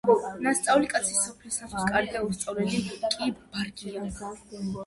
ნასწავლი კაცი სოფლისთვის კარგია, უსწავლელი კი ბარგია